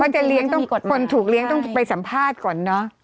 ว่าคนถูกเลี้ยงต้องไปสัมภาษณ์ก่อนเนอะ